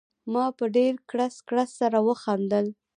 ما په ډېر کړس کړس سره ورته وخندل.